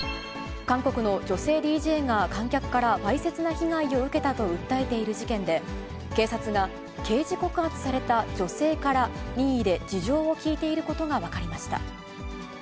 韓国の女性ＤＪが観客からわいせつな被害を受けたと訴えている事件で、警察が刑事告発された女性から任意で事情を聴いていることが分かりました。